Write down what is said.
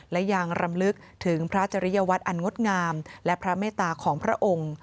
และยังรำลึกถึงพระจริยวัตรอันงดงามและพระเมตตาของพระองค์